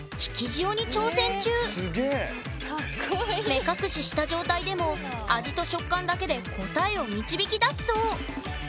目隠しした状態でも味と食感だけで答えを導き出すそう！